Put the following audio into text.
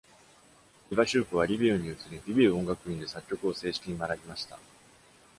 イヴァシュークはリヴィウに移り、リヴィウ音楽院で作曲を正式に学びました。